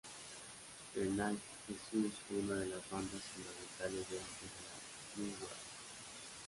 Teenage Jesus fue una de las bandas fundamentales dentro de la No Wave.